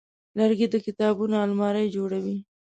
لرګی د کتابونو المارۍ جوړوي.